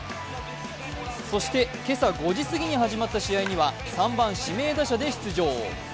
そして今朝５時すぎに始まった試合には３番・指名打者で出場。